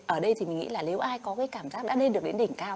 ở đây thì mình nghĩ là nếu ai có cái cảm giác đã lên được đến đỉnh cao